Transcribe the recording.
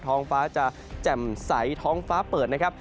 ท้องฟ้าจะแจ่มใสท้องฟ้าเปิดนะครับ